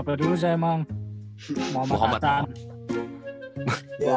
nurkic kayaknya sempet main deh